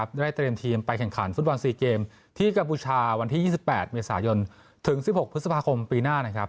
ได้เตรียมทีมไปแข่งขันฟุตบอล๔เกมที่กัมพูชาวันที่๒๘เมษายนถึง๑๖พฤษภาคมปีหน้านะครับ